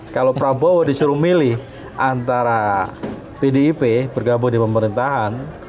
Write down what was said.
kalau prabowo disuruh milih antara pdip bergabung di pemerintahan